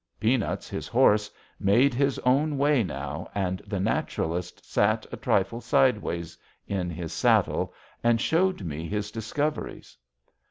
Peanuts, his horse, made his own way now, and the naturalist sat a trifle sideways in his saddle and showed me his discoveries.